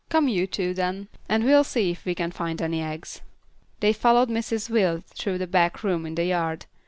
Come you two, then, and we'll see if we can find any eggs." They followed Mrs. Wills through the back room into the yard.